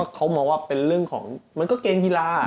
เขาหมอว่าเป็นเรื่องของเหมือนก็เกมธีลา